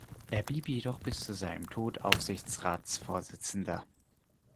Er blieb jedoch bis zu seinem Tod Aufsichtsratsvorsitzender.